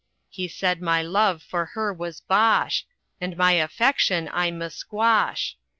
He said my love for her was bosh, And my affection I musquash.